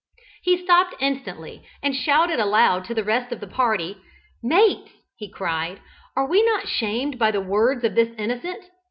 He stopped instantly, and shouted aloud to the rest of the party. "Mates!" he cried. "Are we not shamed by the words of this innocent?